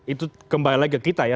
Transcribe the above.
itu kembali lagi ke kita ya